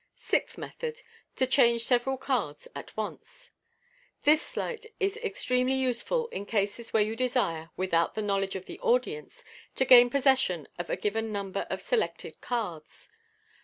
Sixth Method. (To change several cards at once.) — This sleight is extremely useful in cases where you desire, without the knowledge of the audience, to gain possession of a given number of se lected cards.